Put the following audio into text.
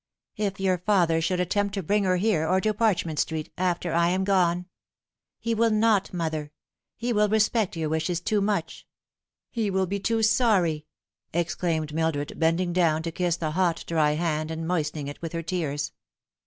If your father should attempt to bring her here or to Parchment Street, after I am gone "" He will not, mother. He will respect your wishes too much he will be too sorry," exclaimed Mildred, bending down to kiss the hot, dry hand, and moistening it with her tears.